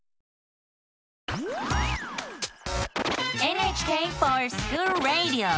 「ＮＨＫｆｏｒＳｃｈｏｏｌＲａｄｉｏ」！